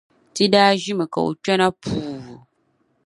Ti daa ʒimi ka o kpɛna puu.